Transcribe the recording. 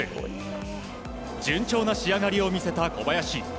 順調な仕上がりを見せた小林。